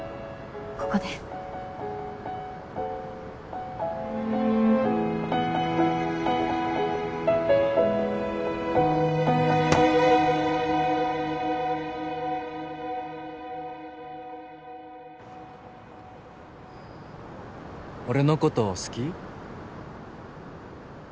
ここで俺のこと好き？